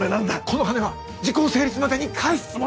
この金は時効成立までに返すつもりなんだ！